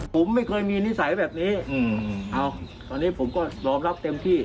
ผมไม่เคยมีนิสัยแบบนี้เอาตอนนี้ผมก็ยอมรับเต็มที่